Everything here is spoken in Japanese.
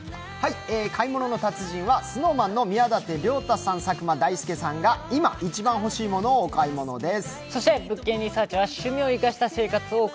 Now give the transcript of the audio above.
「買い物の達人」はＳｎｏｗＭａｎの宮舘涼太さん、佐久間大介さんが今、一番欲しいものをお買い物です。